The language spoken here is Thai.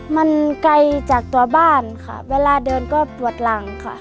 มันไกลจากตัวบ้านค่ะเวลาเดินก็ปวดหลังค่ะ